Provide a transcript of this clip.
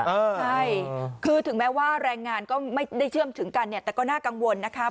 ใช่คือถึงแม้ว่าแรงงานก็ไม่ได้เชื่อมถึงกันเนี่ยแต่ก็น่ากังวลนะคะ